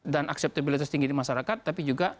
dan akseptabilitas tinggi di masyarakat tapi juga